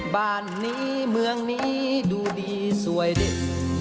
บ้านนี้เมืองนี้ดูดีสวยเด็ด